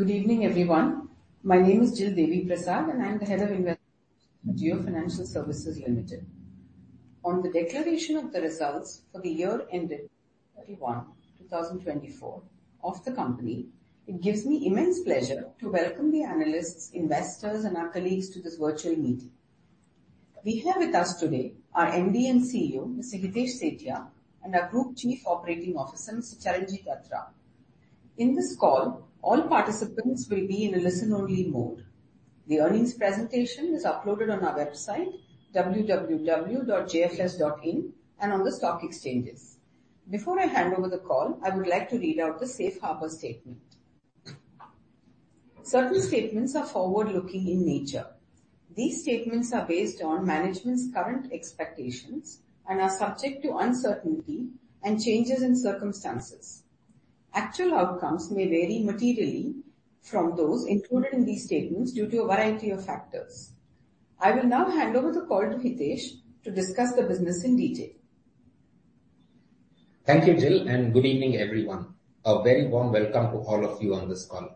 Good evening, everyone. My name is Jill Deviprasad, and I'm the Head of Investment at Jio Financial Services Limited. On the declaration of the results for the year ended March 31, 2024 of the company, it gives me immense pleasure to welcome the analysts, investors, and our colleagues to this virtual meeting. We have with us today our MD and CEO, Mr. Hitesh Sethia, and our Group Chief Operating Officer, Mr. Charanjit Attra. In this call, all participants will be in a listen-only mode. The earnings presentation is uploaded on our website, www.jfs.in, and on the stock exchanges. Before I hand over the call, I would like to read out the safe harbor statement. Certain statements are forward-looking in nature. These statements are based on management's current expectations and are subject to uncertainty and changes in circumstances. Actual outcomes may vary materially from those included in these statements due to a variety of factors. I will now hand over the call to Hitesh to discuss the business in detail. Thank you, Jill, and good evening, everyone. A very warm welcome to all of you on this call.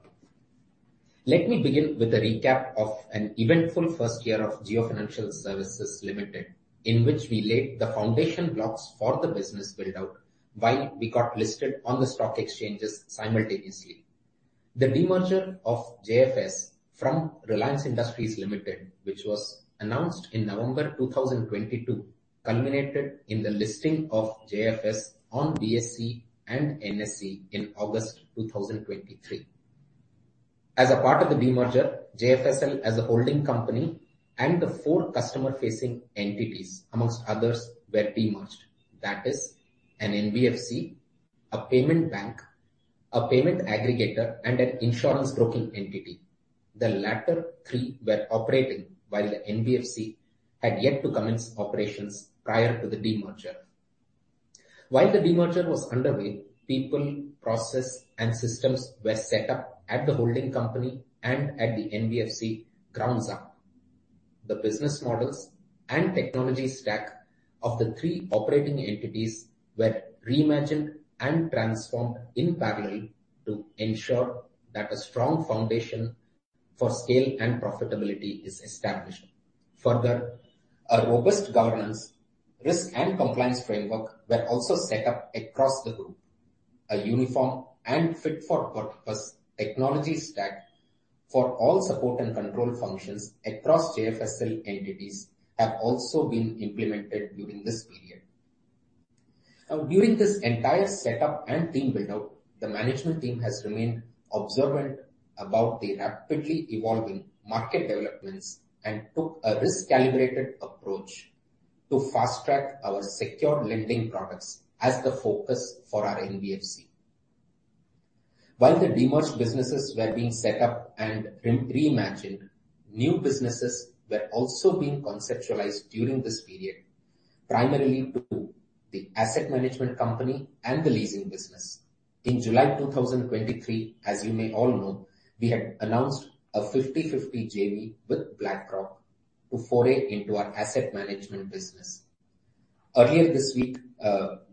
Let me begin with a recap of an eventful first year of Jio Financial Services Limited, in which we laid the foundation blocks for the business build out while we got listed on the stock exchanges simultaneously. The demerger of JFS from Reliance Industries Limited, which was announced in November 2022, culminated in the listing of JFS on BSE and NSE in August 2023. As a part of the demerger, JFSL, as a holding company and the four customer-facing entities, amongst others, were demerged. That is an NBFC, a payment bank, a payment aggregator, and an insurance broking entity. The latter three were operating while the NBFC had yet to commence operations prior to the demerger. While the demerger was underway, people, process, and systems were set up at the holding company and at the NBFC ground up. The business models and technology stack of the three operating entities were reimagined and transformed in parallel to ensure that a strong foundation for scale and profitability is established. Further, a robust governance, risk, and compliance framework were also set up across the group. A uniform and fit-for-purpose technology stack for all support and control functions across JFSL entities have also been implemented during this period. Now, during this entire setup and team build out, the management team has remained observant about the rapidly evolving market developments and took a risk-calibrated approach to fast-track our secured lending products as the focus for our NBFC. While the demerged businesses were being set up and re-reimagined, new businesses were also being conceptualized during this period, primarily to the asset management company and the leasing business. In July 2023, as you may all know, we had announced a 50/50 JV with BlackRock to foray into our asset management business. Earlier this week,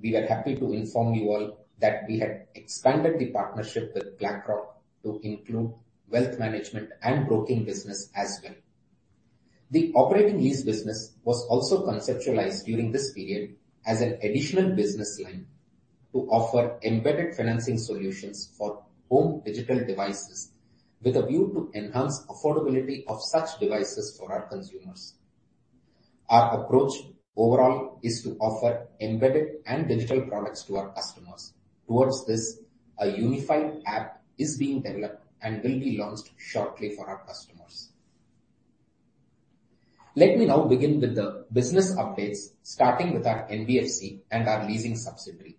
we were happy to inform you all that we had expanded the partnership with BlackRock to include wealth management and broking business as well. The operating lease business was also conceptualized during this period as an additional business line to offer embedded financing solutions for home digital devices, with a view to enhance affordability of such devices for our consumers. Our approach overall is to offer embedded and digital products to our customers. Towards this, a unified app is being developed and will be launched shortly for our customers. Let me now begin with the business updates, starting with our NBFC and our leasing subsidiary.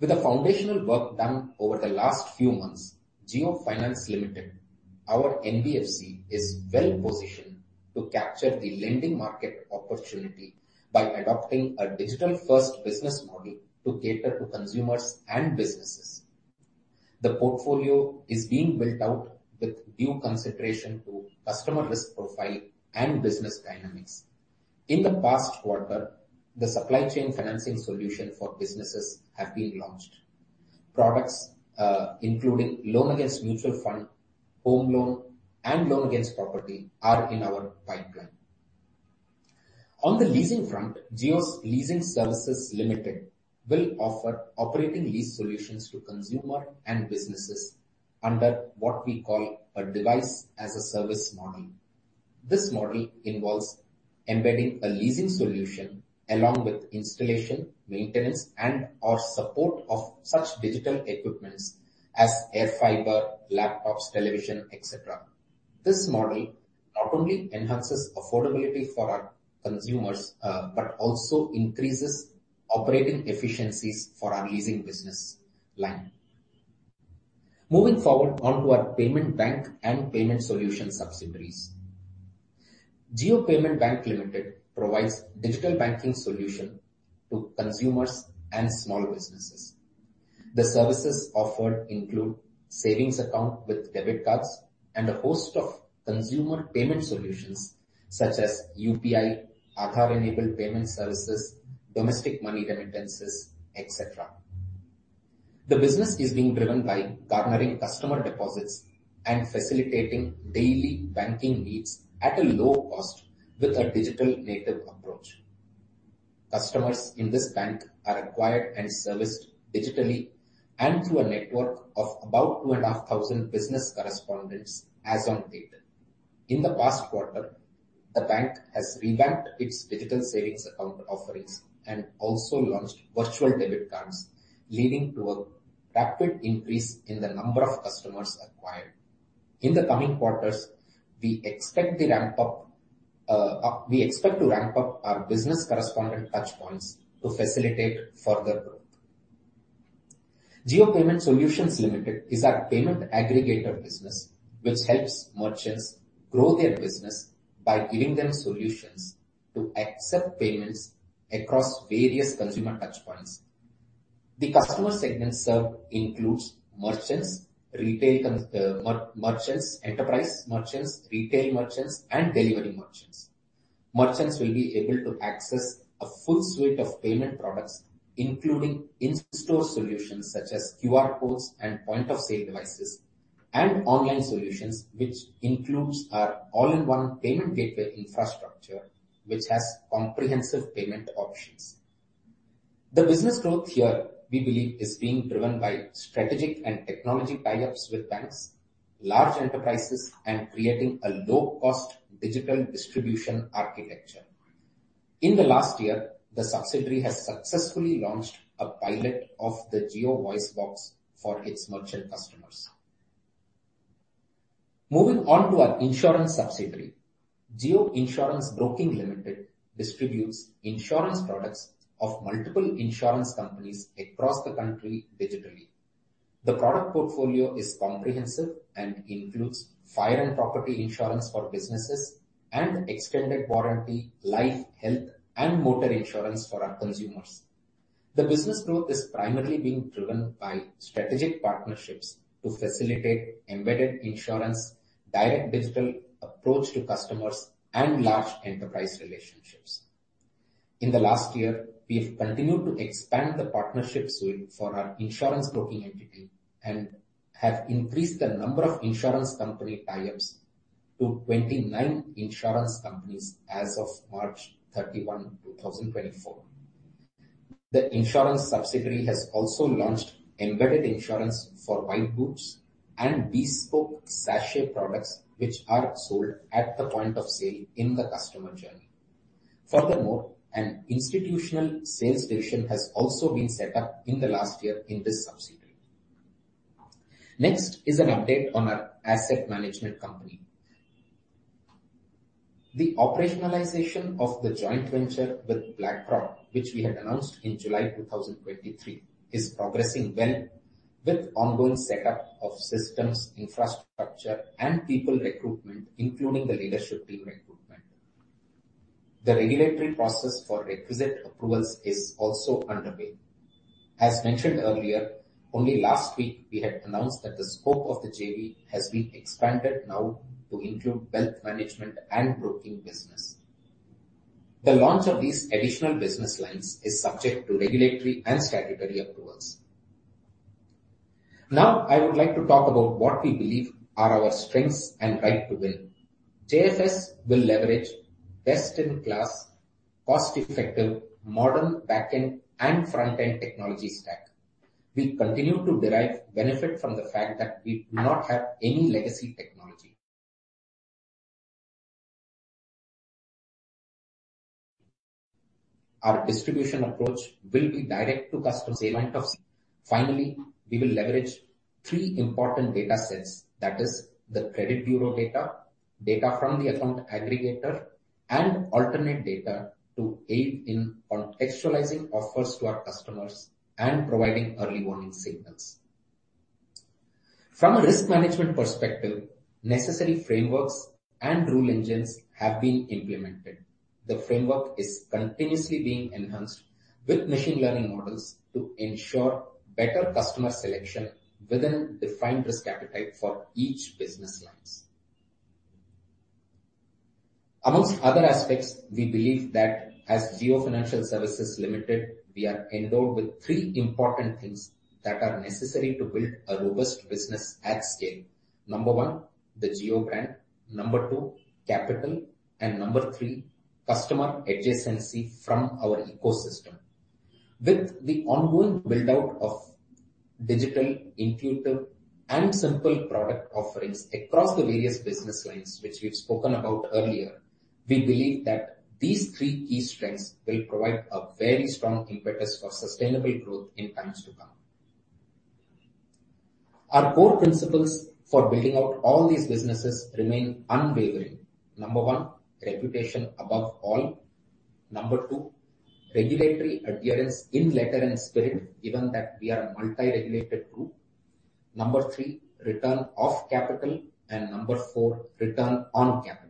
With the foundational work done over the last few months, Jio Finance Limited, our NBFC, is well positioned to capture the lending market opportunity by adopting a digital-first business model to cater to consumers and businesses. The portfolio is being built out with due consideration to customer risk profile and business dynamics. In the past quarter, the supply chain financing solution for businesses have been launched. Products, including loan against mutual fund, home loan, and loan against property are in our pipeline. On the leasing front, Jio Leasing Services Limited will offer operating lease solutions to consumer and businesses under what we call a device-as-a-service model. This model involves embedding a leasing solution along with installation, maintenance, and/or support of such digital equipments as air fiber, laptops, television, et cetera. This model not only enhances affordability for our consumers, but also increases operating efficiencies for our leasing business line. Moving forward onto our payment bank and payment solution subsidiaries. Jio Payments Bank Limited provides digital banking solution to consumers and small businesses. The services offered include savings account with debit cards and a host of consumer payment solutions such as UPI, Aadhaar-enabled payment services, domestic money remittances, et cetera. The business is being driven by garnering customer deposits and facilitating daily banking needs at a low cost with a digital native approach. Customers in this bank are acquired and serviced digitally and through a network of about 2,500 business correspondents as on date. In the past quarter, the bank has revamped its digital savings account offerings and also launched virtual debit cards, leading to a rapid increase in the number of customers acquired. In the coming quarters, we expect to ramp up our business correspondent touchpoints to facilitate further growth. Jio Payment Solutions Limited is our payment aggregator business, which helps merchants grow their business by giving them solutions to accept payments across various consumer touchpoints. The customer segments served includes merchants, retail consumer merchants, enterprise merchants, retail merchants, and delivery merchants. Merchants will be able to access a full suite of payment products, including in-store solutions, such as QR codes and point-of-sale devices, and online solutions, which includes our all-in-one payment gateway infrastructure, which has comprehensive payment options. The business growth here, we believe, is being driven by strategic and technology tie-ups with banks, large enterprises, and creating a low-cost digital distribution architecture. In the last year, the subsidiary has successfully launched a pilot of the Jio VoiceBox for its merchant customers. Moving on to our insurance subsidiary. Jio Insurance Broking Limited distributes insurance products of multiple insurance companies across the country digitally. The product portfolio is comprehensive and includes fire and property insurance for businesses and extended warranty, life, health, and motor insurance for our consumers. The business growth is primarily being driven by strategic partnerships to facilitate embedded insurance, direct digital approach to customers, and large enterprise relationships. In the last year, we've continued to expand the partnership suite for our insurance broking entity and have increased the number of insurance company tie-ups to 29 insurance companies as of March 31, 2024. The insurance subsidiary has also launched embedded insurance for white goods and bespoke sachet products, which are sold at the point of sale in the customer journey. Furthermore, an institutional sales division has also been set up in the last year in this subsidiary. Next is an update on our asset management company. The operationalization of the joint venture with BlackRock, which we had announced in July 2023, is progressing well with ongoing setup of systems, infrastructure, and people recruitment, including the leadership team recruitment. The regulatory process for requisite approvals is also underway. As mentioned earlier, only last week, we had announced that the scope of the JV has been expanded now to include wealth management and broking business. The launch of these additional business lines is subject to regulatory and statutory approvals. Now, I would like to talk about what we believe are our strengths and right to win. JFS will leverage best-in-class, cost-effective, modern back-end and front-end technology stack. We continue to derive benefit from the fact that we do not have any legacy technology. Our distribution approach will be direct to customers. Finally, we will leverage three important datasets. That is the credit bureau data, data from the Account Aggregator, and alternate data to aid in contextualizing offers to our customers and providing early warning signals. From a risk management perspective, necessary frameworks and rule engines have been implemented. The framework is continuously being enhanced with machine learning models to ensure better customer selection within defined risk appetite for each business lines. Amongst other aspects, we believe that as Jio Financial Services Limited, we are endowed with three important things that are necessary to build a robust business at scale. Number one, the Jio brand. Number two, capital. And number three, customer adjacency from our ecosystem. With the ongoing build-out of digital, intuitive, and simple product offerings across the various business lines, which we've spoken about earlier, we believe that these three key strengths will provide a very strong impetus for sustainable growth in times to come. Our core principles for building out all these businesses remain unwavering. Number one, reputation above all. Number two, regulatory adherence in letter and spirit, given that we are a multi-regulated group. Number three, return of capital. And number four, return on capital.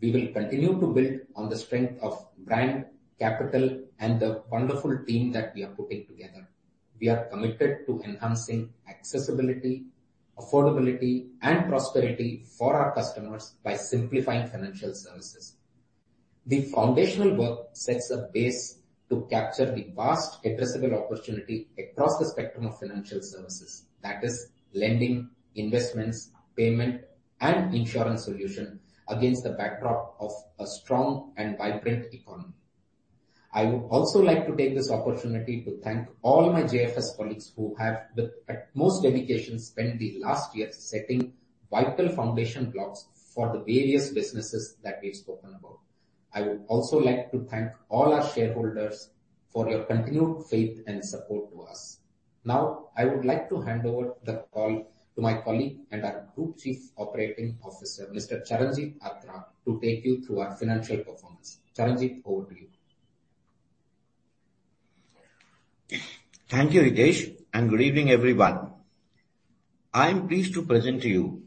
We will continue to build on the strength of brand, capital, and the wonderful team that we are putting together.... We are committed to enhancing accessibility, affordability, and prosperity for our customers by simplifying financial services. The foundational work sets a base to capture the vast addressable opportunity across the spectrum of financial services. That is, lending, investments, payment, and insurance solution against the backdrop of a strong and vibrant economy. I would also like to take this opportunity to thank all my JFS colleagues who have, with utmost dedication, spent the last year setting vital foundation blocks for the various businesses that we've spoken about. I would also like to thank all our shareholders for your continued faith and support to us. Now, I would like to hand over the call to my colleague and our Group Chief Operating Officer, Mr. Charanjit Attra, to take you through our financial performance. Charanjit, over to you. Thank you, Hitesh, and good evening, everyone. I'm pleased to present to you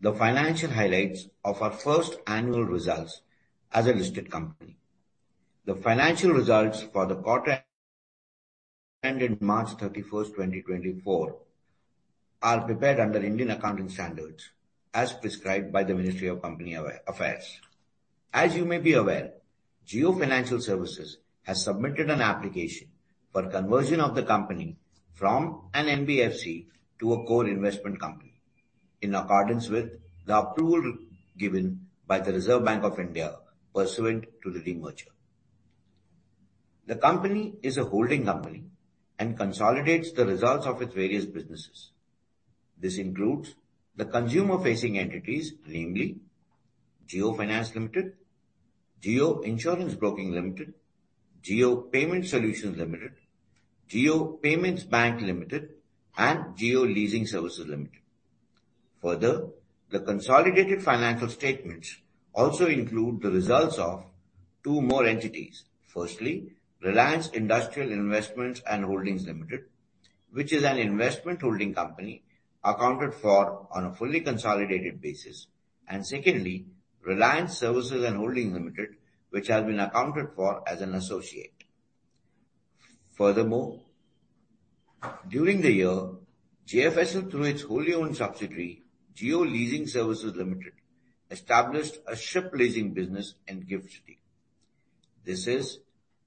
the financial highlights of our first annual results as a listed company. The financial results for the quarter ended March 31, 2024, are prepared under Indian Accounting Standards, as prescribed by the Ministry of Corporate Affairs. As you may be aware, Jio Financial Services has submitted an application for conversion of the company from an NBFC to a core investment company, in accordance with the approval given by the Reserve Bank of India pursuant to the demerger. The company is a holding company and consolidates the results of its various businesses. This includes the consumer-facing entities, namely Jio Finance Limited, Jio Insurance Broking Limited, Jio Payment Solutions Limited, Jio Payments Bank Limited, and Jio Leasing Services Limited. Further, the consolidated financial statements also include the results of two more entities. Firstly, Reliance Industrial Investments and Holdings Limited, which is an investment holding company, accounted for on a fully consolidated basis. And secondly, Reliance Services and Holdings Limited, which has been accounted for as an associate. Furthermore, during the year, JFS, through its wholly owned subsidiary, Jio Leasing Services Limited, established a ship leasing business in GIFT City. This is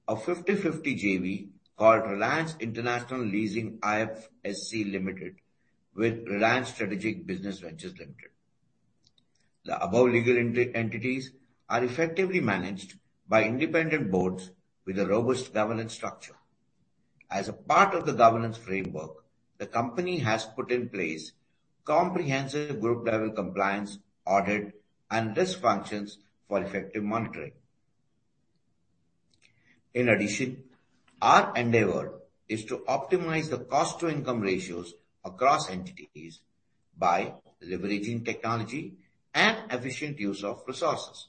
a 50/50 JV called Reliance International Leasing IFSC Limited, with Reliance Strategic Business Ventures Limited. The above legal entities are effectively managed by independent boards with a robust governance structure. As a part of the governance framework, the company has put in place comprehensive group-level compliance, audit, and risk functions for effective monitoring. In addition, our endeavor is to optimize the cost-to-income ratios across entities by leveraging technology and efficient use of resources.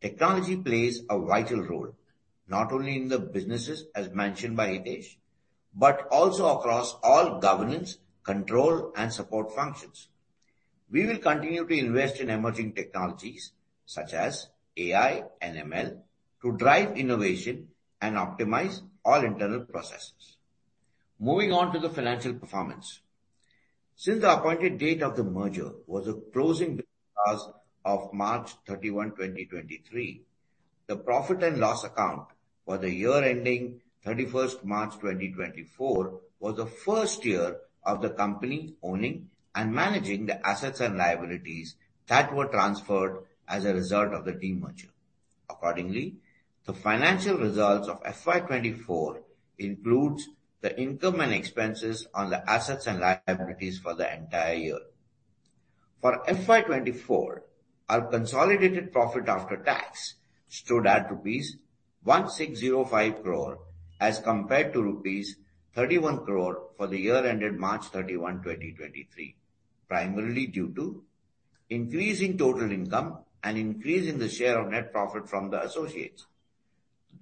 Technology plays a vital role, not only in the businesses, as mentioned by Hitesh, but also across all governance, control, and support functions. We will continue to invest in emerging technologies such as AI and ML, to drive innovation and optimize all internal processes. Moving on to the financial performance. Since the appointed date of the merger was the closing business of March 31, 2023, the profit and loss account for the year ending 31st March 2024 was the first year of the company owning and managing the assets and liabilities that were transferred as a result of the demerger. Accordingly, the financial results of FY 2024 includes the income and expenses on the assets and liabilities for the entire year. For FY 2024, our consolidated profit after tax stood at rupees 1,605 crore, as compared to rupees 31 crore for the year ended March 31, 2023, primarily due to increase in total income and increase in the share of net profit from the associates.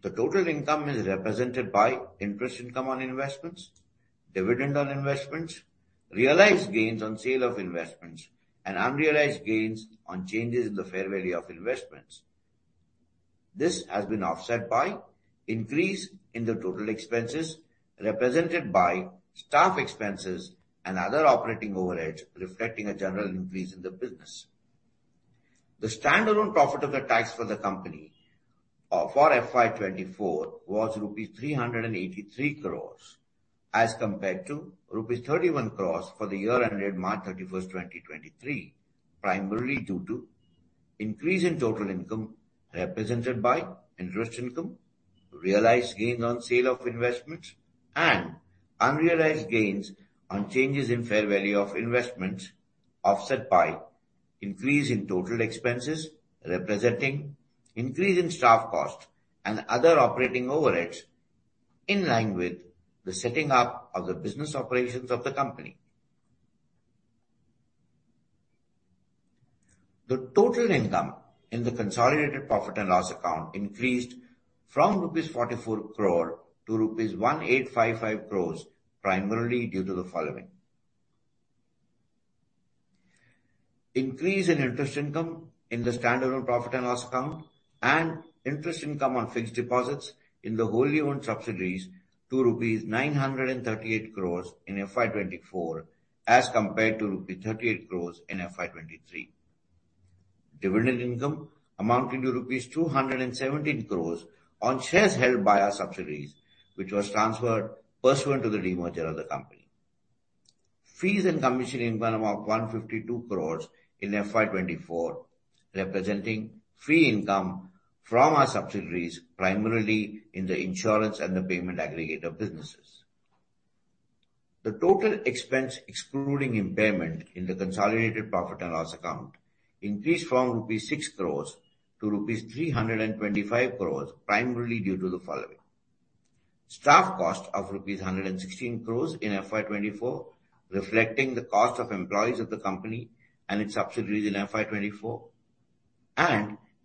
The total income is represented by interest income on investments, dividend on investments, realized gains on sale of investments, and unrealized gains on changes in the fair value of investments. This has been offset by increase in the total expenses, represented by staff expenses and other operating overheads, reflecting a general increase in the business. The standalone profit after tax for the company for FY 2024 was rupees 383 crore, as compared to rupees 31 crore for the year ended March 31, 2023, primarily due to increase in total income, represented by interest income, realized gains on sale of investments, and unrealized gains on changes in fair value of investments, offset by increase in total expenses, representing increase in staff cost and other operating overheads, in line with the setting up of the business operations of the company. The total income in the consolidated profit and loss account increased from rupees 44 crore to rupees 1,855 crore, primarily due to the following: Increase in interest income in the standalone profit and loss account, and interest income on fixed deposits in the wholly owned subsidiaries to rupees 938 crore in FY 2024, as compared to rupees 38 crore in FY 2023. Dividend income amounting to rupees 217 crore on shares held by our subsidiaries, which was transferred pursuant to the demerger of the company. Fees and commission income amount 152 crore in FY 2024, representing fee income from our subsidiaries, primarily in the insurance and the payment aggregator businesses. The total expense, excluding impairment in the consolidated profit and loss account, increased from rupees 6 crore to rupees 325 crore, primarily due to the following: Staff cost of rupees 116 crore in FY 2024, reflecting the cost of employees of the company and its subsidiaries in FY 2024,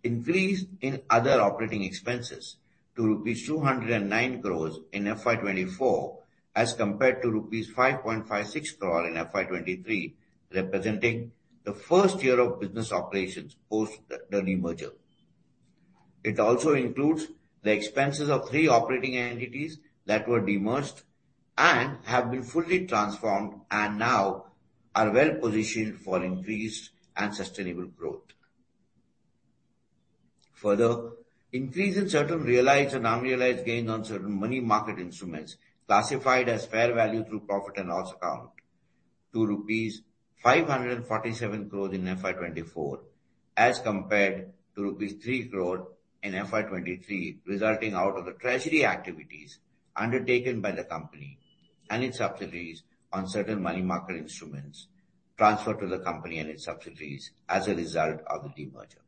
and increase in other operating expenses to rupees 209 crore in FY 2024, as compared to rupees 5.56 crore in FY 2023, representing the first year of business operations post the demerger. It also includes the expenses of three operating entities that were demerged and have been fully transformed, and now are well-positioned for increased and sustainable growth. Further, increase in certain realized and unrealized gains on certain money market instruments, classified as fair value through profit and loss account to rupees 547 crore in FY 2024, as compared to rupees 3 crore in FY 2023, resulting out of the treasury activities undertaken by the company and its subsidiaries on certain money market instruments transferred to the company and its subsidiaries as a result of the demerger.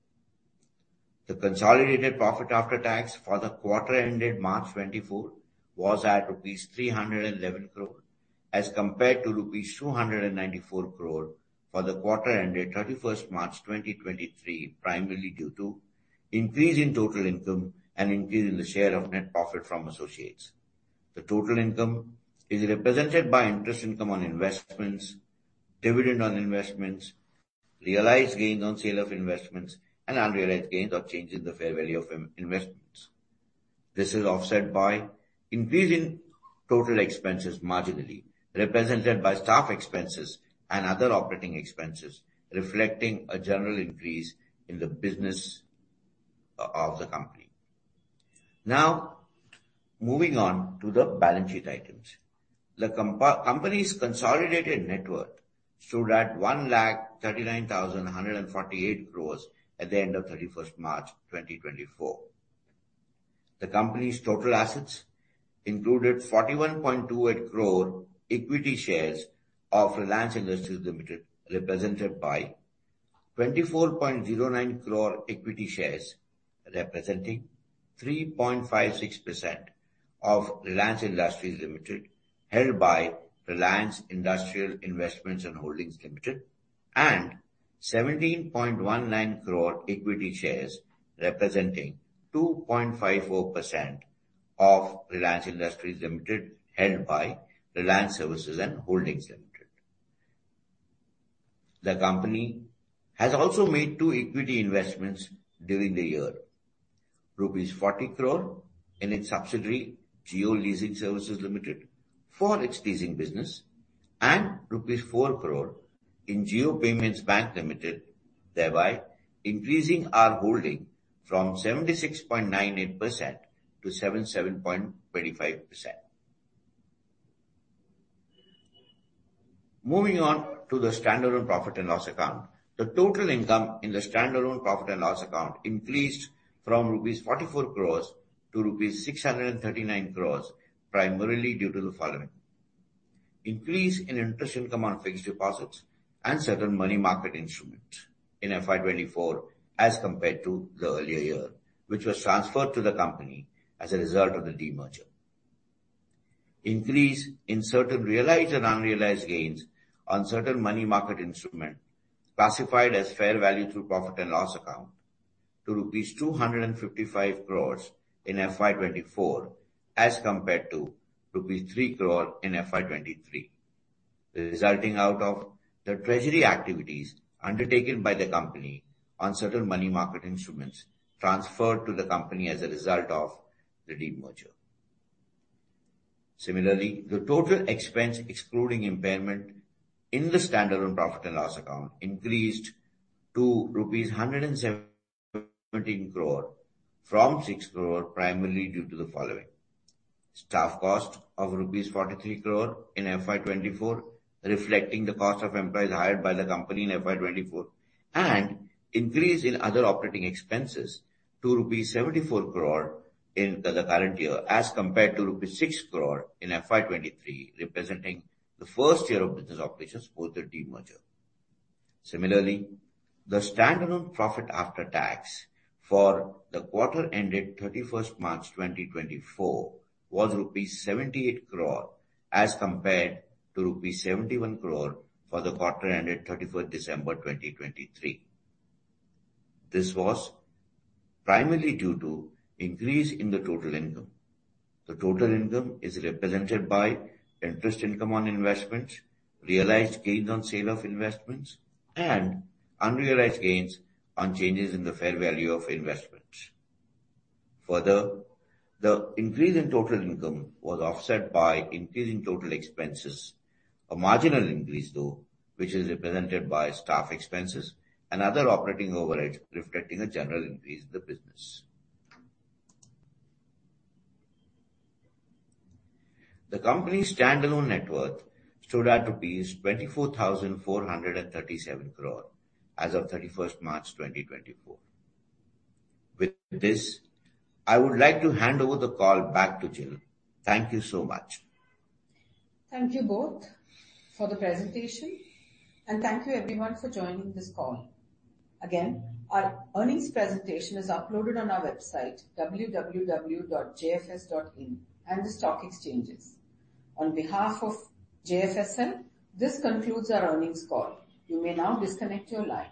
The consolidated profit after tax for the quarter ended March 2024, was at rupees 311 crore, as compared to rupees 294 crore for the quarter ended 31st March 2023, primarily due to increase in total income and increase in the share of net profit from associates. The total income is represented by interest income on investments, dividend on investments, realized gains on sale of investments, and unrealized gains or changes in the fair value of investments. This is offset by increase in total expenses, marginally, represented by staff expenses and other operating expenses, reflecting a general increase in the business of the company. Now, moving on to the balance sheet items. The company's consolidated net worth stood at 139,148 crore at the end of March 31, 2024. The company's total assets included 41.28 crore equity shares of Reliance Industries Limited, represented by 24.09 crore equity shares, representing 3.56% of Reliance Industries Limited, held by Reliance Industrial Investments and Holdings Limited, and 17.19 crore equity shares, representing 2.54% of Reliance Industries Limited, held by Reliance Services and Holdings Limited. The company has also made two equity investments during the year. Rupees 40 crore in its subsidiary, Jio Leasing Services Limited, for its leasing business, and rupees 4 crore in Jio Payments Bank Limited, thereby increasing our holding from 76.98% to 77.25%. Moving on to the standalone profit and loss account. The total income in the standalone profit and loss account increased from rupees 44 crore to rupees 639 crore, primarily due to the following: Increase in interest income on fixed deposits and certain money market instruments in FY 2024, as compared to the earlier year, which was transferred to the company as a result of the demerger. Increase in certain realized and unrealized gains on certain money market instruments, classified as fair value through profit and loss account to rupees 255 crore in FY 2024, as compared to rupees 3 crore in FY 2023, resulting out of the treasury activities undertaken by the company on certain money market instruments transferred to the company as a result of the demerger. Similarly, the total expense, excluding impairment in the standalone profit and loss account, increased to rupees 117 crore from 6 crore, primarily due to the following: Staff cost of rupees 43 crore in FY 2024, reflecting the cost of employees hired by the company in FY 2024, and increase in other operating expenses to rupees 74 crore in the current year, as compared to rupees 6 crore in FY 2023, representing the first year of business operations for the demerger. Similarly, the standalone profit after tax for the quarter ended 31st March 2024, was rupees 78 crore, as compared to rupees 71 crore for the quarter ended 31st December 2023. This was primarily due to increase in the total income. The total income is represented by interest income on investments, realized gains on sale of investments, and unrealized gains on changes in the fair value of investments. Further, the increase in total income was offset by increase in total expenses, a marginal increase, though, which is represented by staff expenses and other operating overheads, reflecting a general increase in the business. The company's standalone net worth stood at rupees 24,437 crore as of 31st March 2024. With this, I would like to hand over the call back to Jill. Thank you so much. Thank you both for the presentation, and thank you everyone for joining this call. Again, our earnings presentation is uploaded on our website, www.jfs.in, and the stock exchanges. On behalf of JFSL, this concludes our earnings call. You may now disconnect your line.